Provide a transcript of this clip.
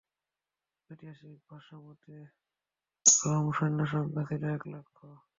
ঐতিহাসিকদের ভাষ্যমতে রোম-সৈন্যসংখ্যা ছিল এক লক্ষ।